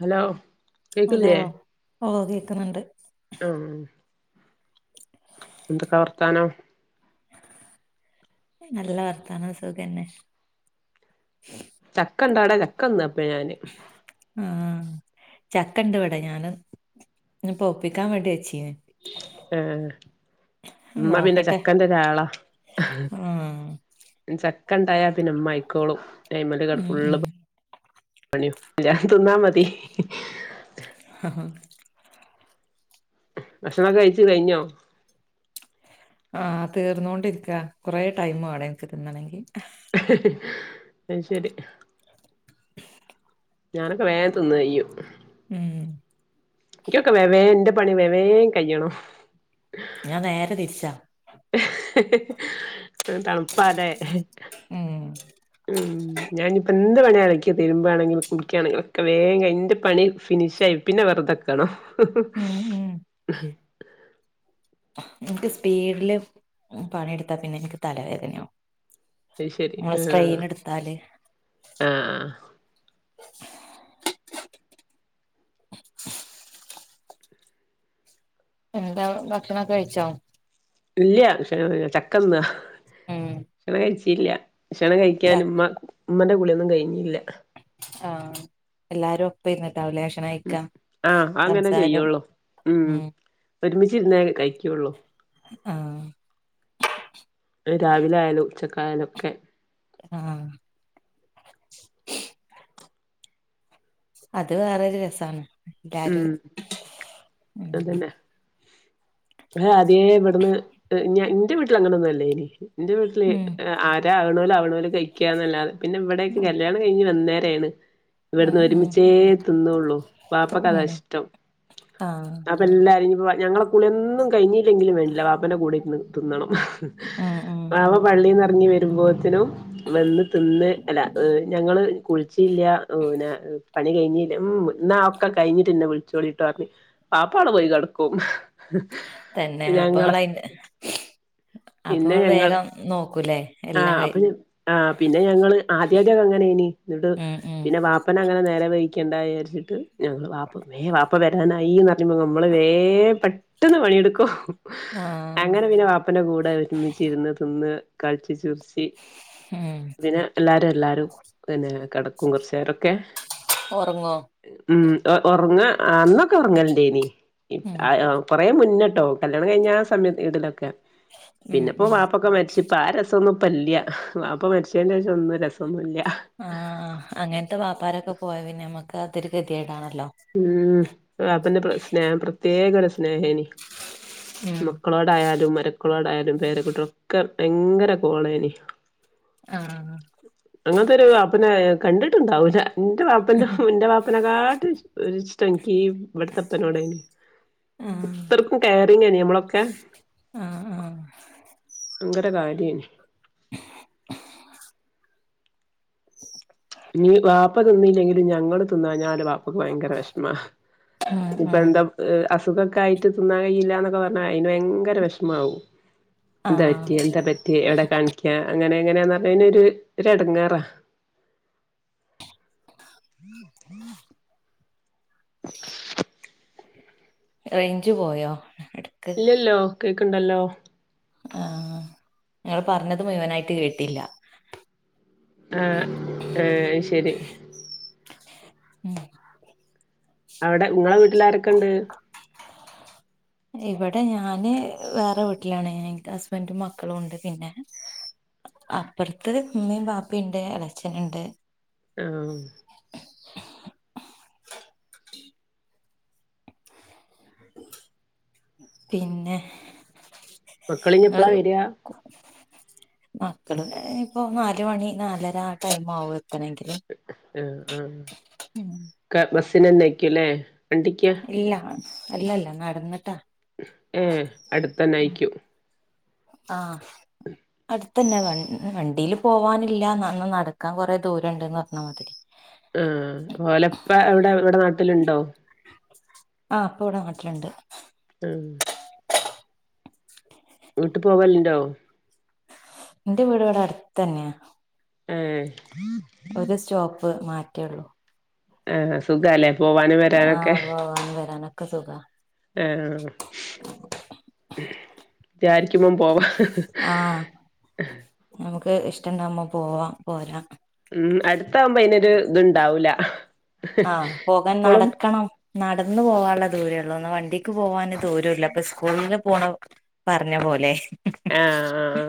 Hello hello കേക്കില്ലേ ഓഹ് കേക്ക്ണണ്ട്. ആഹ് എന്തൊക്കെ വർത്താനം. നല്ല വർത്താനം സുഖന്നെ. ചക്കണ്ടോ ആടെ ചക്കന്നാ ഇപ്പോ ഞാന്. ആഹ് ചക്ക ഇണ്ട് ഇവിടെ, ഞാന് പൊഴുപ്പിക്കാൻ വേണ്ടി വച്ചീന്. ആഹ് ഉമ്മ പിന്നെ നോക്കട്ടെ ചക്കന്റ ഒരാളാ. ആഹ് ചക്ക ണ്ടായ പിന്നെ ഉമ്മ ആയിക്കോളും അയ്മല് കടന്ന് ഉം ഫുള്ള് ഉം പണിം ഞാൻ തിന്നാ മതി. ഹ ഹ ഹാ ഭക്ഷണോകെ കഴിച്ചു കഴിഞ്ഞോ ആഹ് തീർന്നോണ്ടിരിയ്ക്കാ കൊറെേ ടൈമാണം ഇൻക്ക് തിന്നണെങ്കി അയ് ശരി ഞാനൊക്കെ വേഗം തിന്ന് കഴിയും ഉം ക്ക്യോക്കെ വെവേ എന്റെ പണി വെവേൻ കഴിയണ ഞാൻ നേരെ തിരിച്ചാ തണുപ്പാ ല്ലേ ഉം ഉം ഞാനിപ്പോ എന്ത് പണി അലക്കി തിരുമ്പാണെങ്കിലും കുളിക്ക്യാണെങ്കിലും ഒക്കെ വേഗ ന്റെ പണി ഫിനിഷ് ആയി പിന്നെ വെറുതെക്കണോ ഉം ഉം നിക്ക് സ്പീഡില് ഉം പണിയെടുത്താ പിന്നെ എനിക്ക് തലവേദനയാ അത് ശരി നമ്മള് സ്ട്രെയിനെടുത്താല് ആഹ് ആഹ് [inaudible] എന്താ ഭക്ഷണക്കെഴിച്ചോ ഇല്ല്യ പക്ഷെ ചക്കന്നാ ഉം ഷണഴിച്ചില്ല ക്ഷണം കഴിക്കാൻ ച ഉമ്മ ഉമ്മന്റെ കുള്യോന്നും കഴിഞ്ഞില്ല ആഹ് എല്ലാരും ഒപ്പര്ന്ന് രാവിലെ ഉം ഷണയ്ക്കാ ആഹ് അങ്ങനെ സംസാരം ചെയ്യുള്ളൂ ഉം ഒരുമിച്ചിരുന്നേ കയിക്കുള്ളൂ ആഹ് രാവിലെ ആയാലും ഉച്ചക്കായാലും ഒക്കെ അഹ് ആഹ് അത് വേറൊരു രസാണ് ഉം എല്ലാരും ഉം ഞാ ആദ്യേ ഇവട്ന്ന് എഹ് ന്റെ വീട്ടില് അങ്ങനൊന്നും അല്ലേനി ഇന്റെ വീട്ടില് ഉം ആഹ് ആരാ ആവ്ണോല് ആവ്ണോല് കഴിക്കാന്നല്ലാതെ പിന്നെ ഇവിടേക്ക്‌ കല്യാണം കഴിഞ്ഞ് വന്നേരാണ് ഉം ഇവിടുന്ന് ഉം ഒരുമിച്ചേ തിന്നോള്ളൂ ഉം ക്കതാഷ്ടം ആഹ് അപ്പ എല്ലാര് ഞ്ഞിപ്പ ഞങ്ങളെ കുളിയൊന്നും കഴിഞ് ങ്കിലും വേണ്ടില്ല വാപ്പന്റെ കൂടിരുന്ന് തിന്നണംഹ്ഹ് ഉം ഉം വാപ പള്ളീന്നെറങ്ങി വരുമ്പം തിനു വെന്ന് തിന്ന് അല്ല ഏഹ് ഞങ്ങള് കുളിച്ചില്ല്യ ഉ ന്നെ ഇത് കഴിഞ്ഞിന ഉം ന്നാ ഒക്ക കഴിഞ്ഞിട്ടെന്നെ വിളിച്ചോളി ട്ടോറഞ്ഞ് വാപ്പാടെ പോയി കെടക്കും തന്നെ അപ്പൊ ഞങ്ങള് ഇങ്ങള് അയിന്റെ അപ്പൊ പിന്നെ ഇങ്ങള് ഞങ്ങള് വേഗം നോക്കൂലേ എല്ലാം ആഹ് കഴി അപ്പ ഞങ് ആഹ് പിന്നെ ഞങ്ങള് ആദ്യദ്യതങ്ങനെയിനി ന്നിട്ട് ഉം ഉം പിന്നെ വാപ്പനെ അങ്ങനെ നേരെ വേയിക്കേണ്ട വിചാരിച്ചിട്ട് ഞങ്ങള് വാപ്പ അപ്പ വരാനായിന്നറയ്മ്പോ ഞമ്മള് വേ പെട്ടെന്ന് പണിയെടുക്കോഹ് ആഹ് അങ്ങനെ പിന്നെ വാപ് അപ്പന കൂടെ ഒരുമിച്ചിരുന്ന് തിന്ന് കളിച്ച് ചിരിച്ചു പിൻ ഉം പിന്നെ എല്ലാരും എല്ലാരും പിന്നെ കെടക്കും കൊറച്ചേരൊക്കെ ഒറങ്ങോ ഉം ഒറങ്ങ് അന്നൊക്കെ ഒറങ്ങലൊണ്ടേനി ഉം കുറേ മുന്നേട്ടോ കല്യാണം കഴിഞ്ഞാ സമയ ഇടലൊക്കെ ഉം പിന്നിപ്പോ ഉം വാപ്പൊക്കെ മരിച്ചിപ്പ ആ രസൊന്നും ഇപ്പല്യ വാപ്പ മരിച്ചേന്റെ ശേഷം ഒന്നും രസൊന്നില്യ ആഹ് അങ്ങനത്തെ വാപ്പാരൊക്കെ പോയ പിന്നമ്മക്ക് അതൊരു ഗതിയേടാണല്ലോ ഉം വാപ്പേന്ന പെ സ്നേഹം പ്രത്യേകൊരു സ്നേഹേനി [inaudible] മക്കളോടായാലും മരക്കളോടായാലും പേരകുട്ടികളൊക്കെ ഭയങ്കര കോളേനി ആഹ് അങ്ങനത്തെരു വാപ്പനെ കണ്ടിട്ടുണ്ടാവൂല ഇന്റെ വാപ്പന്റെഹ് ഇന്റെ പാപ്പനെക്കാട്ടും ഒരിഷ്ടം ഇങ്കീ ഇവിടത്തപ്പനോടേനി ആഹ് [unintelligible] അമ്മളൊക്കെ ആഹ് ആഹ് ഭങ്കര കാര്യേനി ഉ നീ വാപ്പ തിന്നില്ലെങ്കിലും ഞങ്ങള് തിന്നാഞാല് വാ പ്പക്ക് ഭയങ്കര വെഷ്മ ഉം ഇപ്പൊ ഉം എന്ത തുകൊക്കായിട്ട് തിന്നാ കയില്ലാന്നക്കെ പറഞ്ഞാ അയ്ന് ഭയങ്കര വെഷമാവും എന്താ ആഹ് പറ്റി എന്താ പറ്റ റ്റി എവ്ടെ കാണിക്കാ അങ്ങനെങ്ങനാന്നറഞ്ഞയ്നൊരു ഒരെടങ്ങാറാ [inaudible] [unintelligible] [inaudible] റേഞ്ച് പോയോ ഇല്ലല്ലോ കേക്ക്ണ്ടല്ലോ? ആ ങ്ങള് പറഞ്ഞത് മുയുവനായിട്ട് കേട്ടില്ല ആഹ് ഏഹ് ശരി ഉം അവിടെ ങ്ങളെ വീട്ടിലാരൊക്കെണ്ട് ഇവിടെ ഞാന് വേറെ വീട്ടിലാണ് എനിക്ക് ഹസ്ബൻറും മക്കളും ഉണ്ട് പിന്നെ അപ്പറത്ത് ഉമ്മേം വാപ്പേണ്ട് എളേച്ചന്ണ്ട് ആഹ് പിന്നെഹ് മക്കളിഞെപ്പളാ വരാ മക്കള് ദേ ഇപ്പോ നാല് മണി നാലര ആ ടൈമാവും എത്തണേങ്കില് ആഹ് ആഹ് ക്ക ബസ്നന്നായ്ക്കൂല്ലേ വണ്ടിക്ക. ഇല്ല അല്ലല്ല നടന്നിട്ടാ ഉം അടുത്തന്നായ്ക്കൂ ആഹ് അടുത്തന്നെ വ വണ്ടിൽ പോവാനില്ല അന്ന നടക്കാൻ കൊറെ ദൂര ഉണ്ട്ന്ന് പറഞ്ഞ മാതിരി ആ ഓലപ്പ എവിടെ ഇവിടെ നാട്ടിലുണ്ടോ ആഹ ഇപ ഇവിടൊ നട്ടിലുണ്ട് ഉം വിട്ട് പോവലുണ്ടോ ഇന്റെ വീട് ഇവടെ അടുത്ത് തന്നെയാ ആഹ് ഒരു സ്റ്റോപ്പ് മാറ്റുള്ളൂ ആഹ് സുഖല്ലേ പോവാനും വരാനൊക്കെ പോവന്ന് വരാന് ക്കെ സുഖ ഏ ആ വിചാരിക്കുമ്പോ പോവാ ആഹ നമക്ക് ഇഷ്ടണ്ടവുപോ പോവാ പോരാ ഉം അടുത്താവുമ്പോ അയിനൊരു ഇതുണ്ടാവുല ഇപ്പോളും നടന്ന് പോവാനുള്ള ദൂരള്ളൂ ഒന്ന് വണ്ടിക്ക് പോവാന് ദൂരുല്ല അപ്പൊ സ്കൂളില് പോണ പറഞ്ഞ പോലെ ആഹ ആ ആ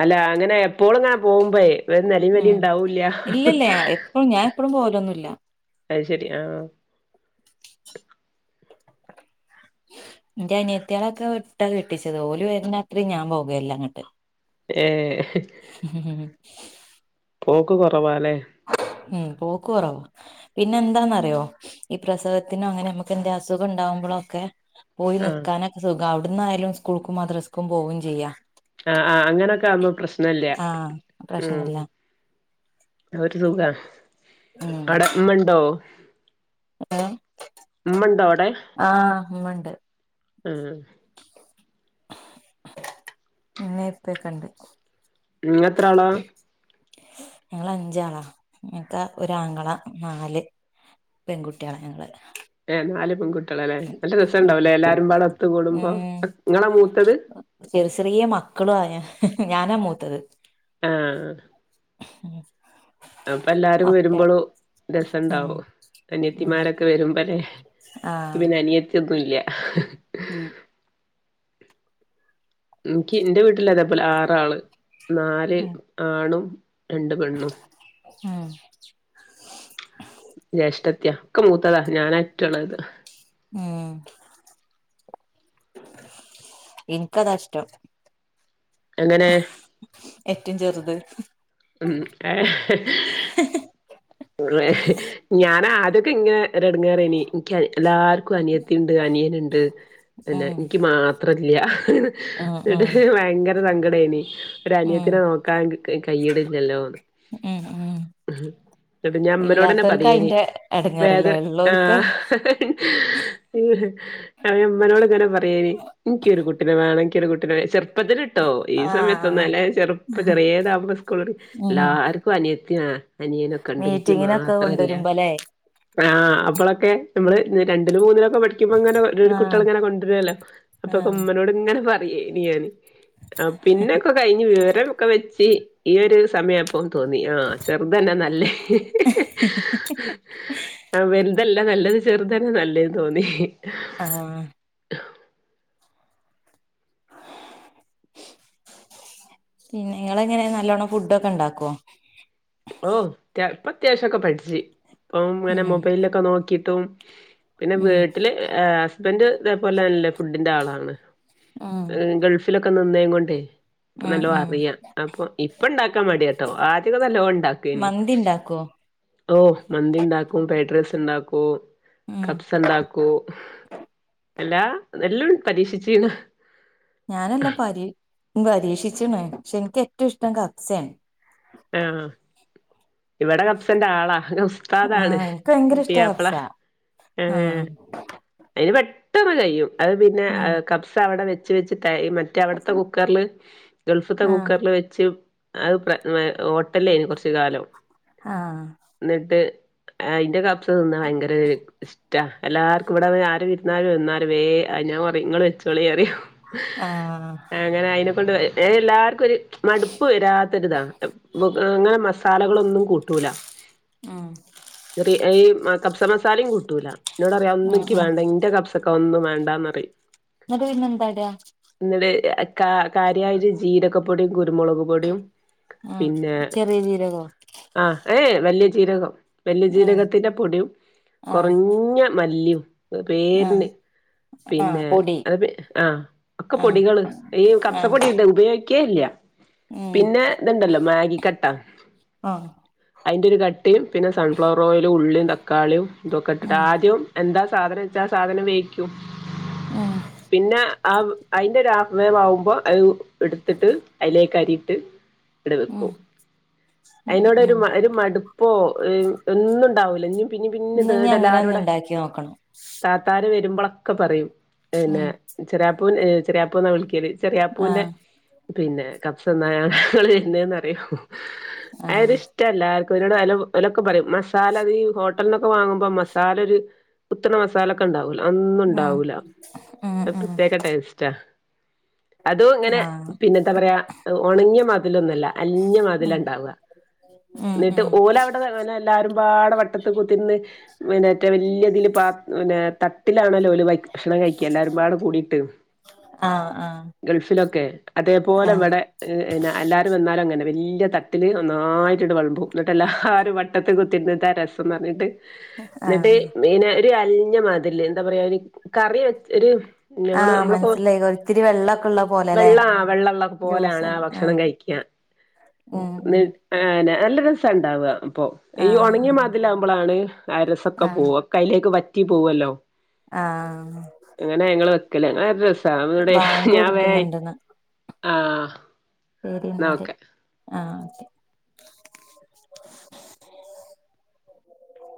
അല്ല അങ്ങനെ എപ്പോളും ഇങ്ങനെ പോവുമ്പേ പ്പ ഒരു നെലിം വെലിം ഉം ഉണ്ടാവൂല്ല ഇല്ലല്ല എപ്പഴും ഞാൻ എപ്പഴും പോവലൊന്നുല്ല അഹ് ശരി ആഹ് [inaudible] ന്റെ അനിയത്തിയാളൊക്കെ വിട്ടാ കെട്ടിച്ചത് ഓലി വര്ണ അത്രിയും ഞാൻ പോകലൃ അങ്ങോട്ട് ഏഹോ ഉം ഉം പോക്ക് കുറവാലേ മ്മ് പോക്ക് ക്കൊറവ പിന്നെന്താന്നറിയോ ഈ പ്രസവത്തിനും ങ്ങനെ നമുക്കെന്തെ അസുഖം ഉണ്ടാകുമ്പോളോക്കെ പോയി ആഹ് നിക്കാനൊക്കെ സുഖ അവിടുന്നായാലും സ്കൂൾക്കും മദ്രസ്സക്കും പോവേം ചെയ്യാം ആ ആ അങ്ങനൊക്കെ ആവുമ്പോ പ്രശ്നല്ല ആഹ് മ്മ് പ്രശ്നല്ല ഒരു സുഖ അവിടമ്മണ്ടോ ആ ഇമ്മണ്ടോവിടെ ആ ഉമ്മണ്ട് മ് ഇമ്മേ ഇപ്പകണ്ട് നിങ്ങത്രാള ഞങ്ങള് അഞ്ചാളാ മൂത്ത ഒരാങ്ങള നാല് പെൺകുട്ട്യോളാ നങ്ങള് ഏ് നാല് പെക്കുട്ടിള്ള ല്ലേ നല്ല ഉം രസണ്ടാവുല്ലേ എല്ലാരും പാട ഒത്തു കൂടുമ്പോ ഇങ്ങളാ മൂത്തത് ചെറി ചെറിയ മക്കളും ആയാ ഹെ ഹെ ഞാനാ മൂത്തത് [inaudible] ആഹ് അപ്പല്ലാരും ഒക്കെ വരുമ്പളും ഉം രസണ്ടാവും ഉം അനയത്തിമാരൊക്കെ വരുമ്പല്ലെ ആഹ് അനിയത്തിന്നുല്ല മ്മ് നിക്ക് എന്റെ വീട്ടില് അതേപോലെ ആറാള് നാല് ഉം ആണും രണ്ട് പെണ്ണും ആഹ് ജ്യേഷ്ഠത്യ ക്കെ മൂത്തതാ ഞാനാറ്റൊ ളേത് ഉം [inaudible] ഇൻക്കതാഷ്ടം എങ്ങനെ ഏറ്റം ചെറുത് [unintelligible] [inaudible] ഞാന ആദ്യക്കങ്ങനെ ഒര് എടങ്ങേരിനി എനി എല്ലാർക്കും അനിയത്തി ണ്ട് അനിയനിണ്ട് പിന്നെ ഉം നിക്ക് മാ ത്രല്യാ ഉം ട്ട് ഉം ഭയങ്കര സങ്കടേനി ഒരു ഉം അനിയത്തീനെ നോക്കാൻ കൈയിനിലലോന്ന് ഉം ഉം ന്നിട്ട് ഞ ഇമ്മനോട്ന്നെ ഇല്ലാത്തോൽക്ക് പറയെനി അയിന്റെ വേദ എടങ്ങേറില്ലേ ആ [inaudible] ഇള്ളോൽക്ക് അഇമ് മ്മനോട് ഇങ്ങനെ പറയന് എനിക്കൊരു കുട്ടിനെ വേണം എനിക്കൊരു കുട്ടി ചെറുപ്പത്തിലിട്ടോ ഈ ആഹ് സമയത്തൊന്നല്ല ചെറുപ്പം ചെറിയതാകുമ്പോ സ്കൂൾ ഉം എല്ലാർക് ക്കും അനിയത്തി അനിയനൊക്കെ ഇണ്ട് നിക്ക് മീറ്റിങ്ങിനൊക്കെ മാത്രല്ല കൊണ്ടുവരുമ്പോല്ലേ ആ അപ്പളൊക്കെ നമ്മള് രണ്ടിലും മൂന്നിലൊക്കെ ഠി ക്കുമ്പോ അങ്ങെ ആഹ് കുട്ടികൾ ഇങ്ങനെ കൊണ്ടുവരല്ലോ ആഹ് അപ്പൊമ്മനോട് ഇങ്ങനെ പറയേന് ഞൻ ആഹ് പിന്നൊക്കെ കഴിഞ്ഞ് വിവരോ ക്കെ വെച്ച് ഈ ഒരു സമയ പ്പം തോന്നി ആഹ് ചെറുതന്നെ നല്ലേ ആഹ് വലുതല്ല നല്ലത് ചെറുതന്നെ നല്ലേന്ന് തോന്നി ആഹ് [inaudible] പിന്നെ നിങ്ങളെങ്ങനെ നല്ലോണം ഫുഡക്കൊ ണ്ടാക്കുവോ ഓഹ് പ്പൊ അത്യാവശ്യക്കെ പഠിച്ഇപ്പം ഇങ്ങനെ ഉം മൊബൈലിലൊക്കെ നോക്കിട്ടും പിന്നെ ഉം വീട്ടില് ഹസ്ബന്റ് ഇതേപോലെല്ലേ ഫുഡിന്റെ ആളാണ് ഉം ഗൾഫ് ലോക്കെ നിന്നേ കൊണ്ടേ ഉം നല്ലോ ഉം അറിയാം അപ്പൊ ഇപ്പ ണ്ടാക്കാൻ മടിയ ട്ടോ ആദ്യ [unintelligible] മന്തി ഇണ്ടാക്കോ ഓഹ് മന്തി ഉണ്ടാക്കും പേഡ്രൈസ് ണ്ടാക്കും ഉം കപ്സ ണ്ടാക്കൂ എല്ലാ എല്ലാം പരീക്ഷിച്ചീണ് ഞാനെല്ലാം പരീ പരീക്ഷിച്ചിണ് പക്ഷെ എനിക്ക് ഏറ്റവും ഇഷ്ട കാഫ്സെണ് ആഹ് ഇവിടെ കബ്സന്റെ ആളാ സ്ഥാതാണ് ആഹ് എനിക്ക് ഭയങ്കര ഇഷ്ടാ പുതിയാപ്ല കബ്സ ആഹ് ഏഹ് അതിന് പെട്ടെന്ന് കഴിയും അത് പിന്നെ ഉം കബ്സ് അവിടെ വെച്ച് വെച്ച് ത മറ്റേ അവിടുത്തെ കുക്കറില് ഗൾഫ്ത്തെ ആഹ് കുക്കറില് വെച്ച് അത് ഹോട്ടലിൽ ആയിരുന്നു കുറച്ച് കാലം ആഹ് എന്നിട്ട് അയ്ന്റെ കബ്സ തിന്ന്ണത് ഭയങ്കര ഇഷ്ടാ എല്ലാർക്കും ഇവിടെ ആരും ഇരുന്നാലും വന്ന വേ ഞാൻ പറയും ഇങ്ങള് വെച്ചോളി പറിം ആഹ് അങ്ങനെ അയിനെ കൊണ്ട് ഏ എല്ലാർക്കും ഒരു മടുപ്പ് വരാത്തരുതാണ് അങ്ങനെ മസാലകളൊന്നും കൂട്ടൂല ആഹ് ചെറിയ ഈ കബ്സ മസാലിം കൂട്ടൂല എന്നോട് പറിം അത് ഒന്നും ആഹ് ആഹ് ന്റെ കബ്സൊക്കെ അത് ഒന്നും വേണ്ടാന്നറിം എന്നിട്ട് പിന്നെ എന്താട എന്നിട്ട് കാര്യയിട്ട് ജീരകപ്പൊടിയും കുരുമുളക് പൊടിയും പിന്നെ ആഹ് ചെറിയ ജീരകോ ആഹ് ഏയ് വല്യ ജീരകം. വല്യ ആഹ് ജീരകത്തിന്റെ പൊടിയും ആഹ് കൊറഞ്ഞ മല്ലിം ആഹ് പേര്ന് ആഹ് പിന്നെ പൊടി അ ആ ഒക്കെ ആഹ് പൊടികള് ഈ കബ്സ ആഹ് പൊടിണ്ട് ഉപയോ ക്കേല്ല. ഉം പിന്നെ ഇത്ണ്ടല്ലോ മാഗി കട്ട ആഹ് അയ്ന്റെരു കട്ടിം പിന്നെ സൺഫ്ലവർ ഓയിലും ഉളളിം തക്കാളിയും ഇതൊക്കെ ഇട്ടിട്ട് ഉം ആദ്യം എന്താ സാധനം വെച്ചാ ആ സാധനം വേക്കും ഉം പിന്നെ ആ അയ്ന്റെ ഒരു ആഫ് വേവ് ആവുമ്പോ അത് ഇട്ത്തിട്ട് അയ്ലേക്ക് അരിയിട്ട് ങ്ങട് വെക്കും. ! ! ! ! ! ! ! ! ! ! അയ്നോട് ഒരു ഒരു മടുപ്പോ ഒന്നുംണ്ടാവൂല. ഇനിം പിന്നെ പിന്നെ തേടല്ലാരോടെ ക്കി നോക്കണം താത്താര് വര്മ്പളൊക്കെ പറിം. പിന്നെ ഉം ചെറിയാപ്പൂന് ചെറിയാപ്പൂ ന്നാ വിളിക്കല് ചെറിയാപ്പൂന്റെ ആഹ് പിന്നെ കബ്സ തിന്നാനാണ് ഞങ്ങള് വര്ന്നന്ന് പറിം അത് ആഹ് ഒരു ഇഷ്ടല്ലാർക്കും ഓലൊക്കെ പറയും മസാല അത് ഈ ഹോട്ടൽന്നൊക്കെ വാങ്ങുമ്പോ മസാല ഒരു കുത്തണ മസാല ക്കൊണ്ടാവൂലോ. ഒന്നും ഉം ഉണ്ടാവൂല ഉം ഒരു ഉം പ്രത്യേക ടേസ്റ്റാ. അതും ഇങ്ങനെ ആഹ് പിന്നെന്താ പറയാ ഒണങ്ങിയ മതില ഒന്നുല്ല അൽഞ്ഞ മതില ഉം ണ്ടാവ ഉം ന്നിട്ട് ഉം ഓല എല്ലാരുംപാടെ വട്ടത്ത് കുത്തിരുന്ന് പിന്നെ മറ്റേ വല്യ ഇതില് പിന്നെ തട്ടിലാണല്ലോ ഓല് ഭക്ഷണം കഴിക്ക എല്ലാരുംപാടെ കൂടിട്ട് ആഹ് ആഹ് ഗൾഫിലൊക്കെ അതേപോലെ ആഹ് ഇവടെ എല്ലാരും വന്നാലും അങ്ങനെന്നെ വല്ല്യ തട്ടില് ഒന്നായി ട്ട്ട് വൾമ്പും. ന്നിട്ട് എല്ലാരും വട്ടത്തി കുത്തിര്ന്ന് ഇതാ രസം ന്നർഞ്ഞിട്ട് ന്നിട്ട് ആഹ് മെയിന ഒരു അൽഞ്ഞ മതില് എന്താ പറയാ കറി വെ ഒരു ഞങ്ങള് ആഹ് നമ്മള്പ്പോ മനസ്സിലായി ഒത്തിരി വെള്ളൊക്കെ ഉള്ള പോലെല്ലേ വെള്ള ആ വെള്ളള്ള പോലാണ് ആ ലൂസായി ആഹ് ഭക്ഷണം കഴിക്കാ ഉം ഉം ഏ നല്ല രസം ണ്ടാവ അപ്പൊ ഈ ഒണങ്ങിയ ആഹ് മതിലാവുമ്പോളാണ് ആ രസൊക്കെ പോവ ആഹ് കയ്യിലേക്ക് വറ്റി പോവല്ലോ ആഹ് അങ്ങനെ ഞങ്ങള് വെക്കല് അങ്ങനെ ഒരു രസ സാ ബാങ്ക് ഞാൻ വേ കൊടുക്കുന്നുണ്ട്ന്ന് ആഹ് ശരി ന്നാ എന്നാല് ഒക്കെ ആഹ് ഓക്കെ.